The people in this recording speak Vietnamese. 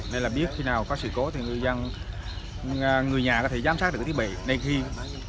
nên là biết khi nào có sự cố thì người nhà có thể giám sát được cái thiết bị